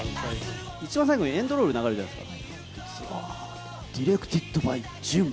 一番最後にエンドロール、流れるじゃないですか。